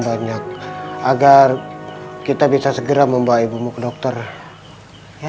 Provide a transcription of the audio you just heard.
banyak agar kita bisa segera membawa ibumu ke dokter